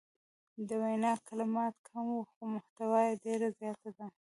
د وینا کلمات کم وو خو محتوا یې ډیره زیاته وه.